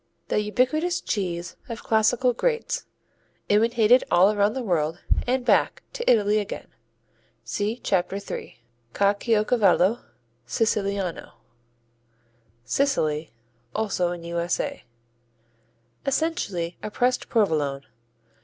The ubiquitous cheese of classical greats, imitated all around the world and back to Italy again. See Chapter 3. Caciocavallo Siciliano Sicily, also in U.S.A. Essentially a pressed Provolone.